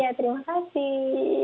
iya terima kasih